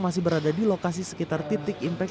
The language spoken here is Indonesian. masih berada di lokasi sekitar titik impek